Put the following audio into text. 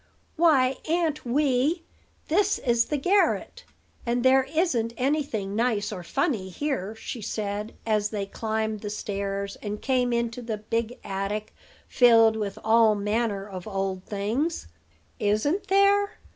"Why, Aunt Wee, this is the garret; and there isn't any thing nice or funny here," she said, as they climbed the stairs, and came into the big attic, filled with all manner of old things. "Isn't there?